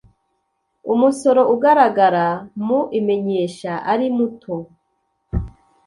umusoro ugaragara mu imenyesha ari muto